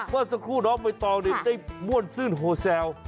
ว่าสักครู่น้องไปต่อเนี่ยเต้นม่วนซื่นโหแซว